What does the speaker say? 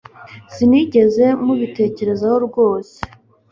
sinigeze mubitekerezaho rwose